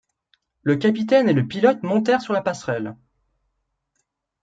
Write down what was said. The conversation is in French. Le capitaine et le pilote montèrent sur la passerelle.